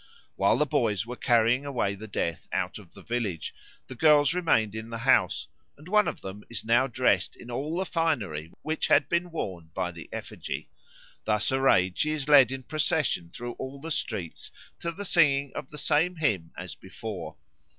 While the boys were carrying away the Death out of the village, the girls remained in the house, and one of them is now dressed in all the finery which had been worn by the effigy. Thus arrayed she is led in procession through all the streets to the singing of the same hymn as before.